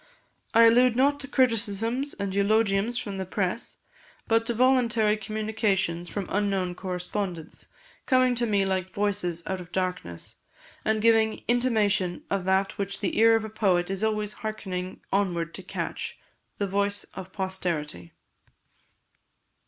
I allude not to criticisms and eulogiums from the press, but to voluntary communications from unknown correspondents, coming to me like voices out of darkness, and giving intimation of that which the ear of a poet is always hearkening onward to catch the voice of posterity."